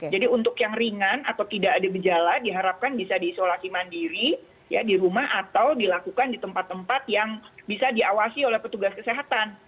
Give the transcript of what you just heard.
jadi untuk yang ringan atau tidak ada gejala diharapkan bisa diisolasi mandiri di rumah atau dilakukan di tempat tempat yang bisa diawasi oleh petugas kesehatan